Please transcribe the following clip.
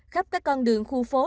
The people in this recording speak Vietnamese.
khắp các con đường khu phố